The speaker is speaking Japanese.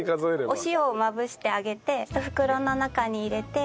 お塩をまぶしてあげて袋の中に入れて。